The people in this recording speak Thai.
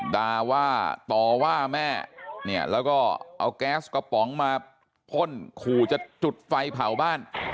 ด่าว่าต่อว่าแม่เนี่ยแล้วก็เอาแก๊สกระป๋องมาพ่นขู่จะจุดไฟเผาบ้าน